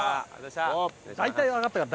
大体わかったから。